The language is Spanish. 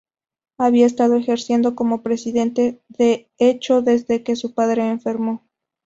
Había estado ejerciendo como presidente de hecho desde que su padre enfermó.